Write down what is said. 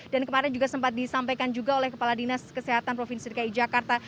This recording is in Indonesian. dan kemarin juga sempat disampaikan juga oleh kepala dinas kesehatan provinsi dki jakarta